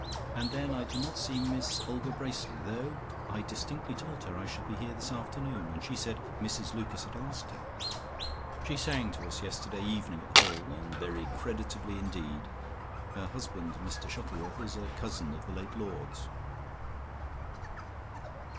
"And then I do not see Miss Olga Bracely, though I distinctly told her I should be here this afternoon, and she said Mrs Lucas had asked her. She sang to us yesterday evening at The Hall, and very creditably indeed. Her husband, Mr Shuttleworth, is a cousin of the late lord's."